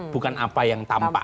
bukan apa yang tampak